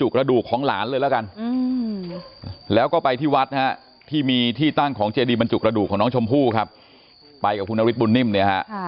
กระดูกของน้องชมพู่ครับไปกับคุณวิทย์บุญนิ่มเนี่ยฮะ